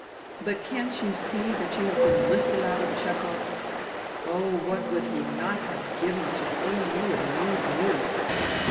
" But can't you see that you have been lifted out of Chehov ?... Oh, what would he not have given to see you and use you